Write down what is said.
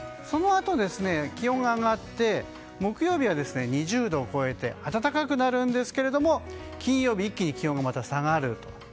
そのあと気温が上がって木曜日は２０度を超えて暖かくなるんですが金曜日は一気に気温が下がると。